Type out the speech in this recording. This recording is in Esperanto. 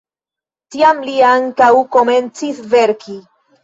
Tiam li ankaŭ komencis verki.